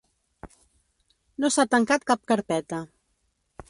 No s’ha tancat cap carpeta.